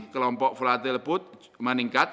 kelompok volatil lebut meningkat